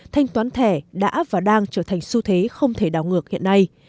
thanh toán thẻ đã và đang trở thành xu thế không thể đảo ngược hiện nay